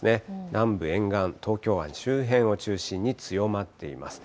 南部、沿岸、東京湾周辺を中心に強まっています。